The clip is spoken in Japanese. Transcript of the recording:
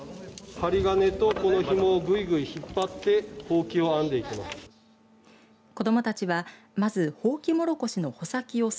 針金とこのひもをぐいぐい引っ張ってほうきを編んでいきます。